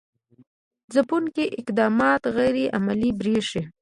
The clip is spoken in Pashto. ځپونکي اقدامات غیر عملي برېښي.